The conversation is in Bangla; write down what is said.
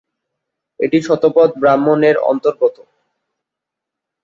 এটি "শতপথ ব্রাহ্মণ"-এর অন্তর্গত।